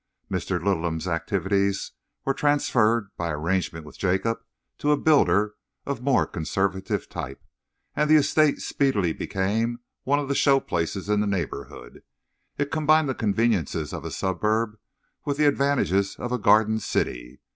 Mr. Littleham's activities were transferred, by arrangement with Jacob, to a builder of more conservative type, and the Estate speedily became one of the show places of the neighbourhood. It combined the conveniences of a suburb with the advantages of a garden city.